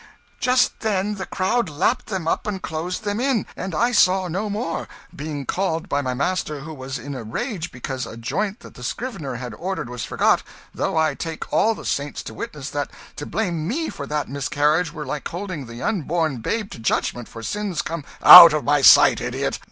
"Just then the crowd lapped them up and closed them in, and I saw no more, being called by my master, who was in a rage because a joint that the scrivener had ordered was forgot, though I take all the saints to witness that to blame me for that miscarriage were like holding the unborn babe to judgment for sins com " "Out of my sight, idiot!